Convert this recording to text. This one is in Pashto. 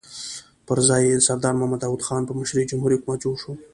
پر ځای یې د سردار محمد داؤد خان په مشرۍ جمهوري حکومت جوړ شو.